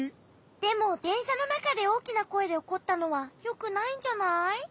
でもでんしゃのなかでおおきなこえでおこったのはよくないんじゃない？